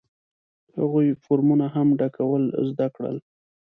هغوی فورمونه هم ډکول زده کړل.